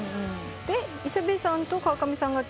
で磯部さんと川上さんが。